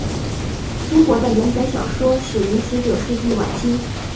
中国的连载小说始于十九世纪晚期。